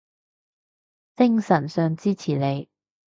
精神上支持你